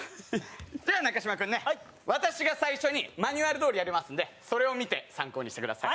では中嶋君ね私が最初にマニュアルどおりやりますんでそれを見て参考にしてください